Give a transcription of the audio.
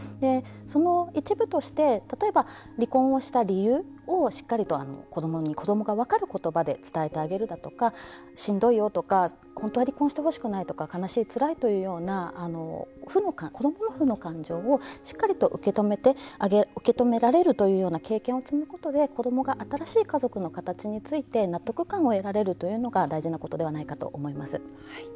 その一部として、例えば離婚をした理由をしっかりと子どもに子どもが分かる言葉で伝えてあげるだとかしんどいよとか本当は離婚してほしくないとか悲しい、つらいというような子どもの不の感情をしっかりと受け止められるというような経験を積むことで、子どもが新しい家族の形について納得感を得られるというのが大事なことではないかと思います。